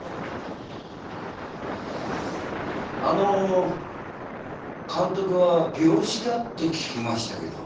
あのー監督は病死だって聞きましたけど？